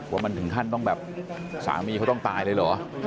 ว่ามันถึงขั้นต้องแบบสามีเขาต้องตายเลยเหรอ